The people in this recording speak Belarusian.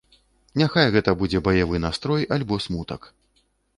Няхай гэта будзе баявы настрой альбо смутак.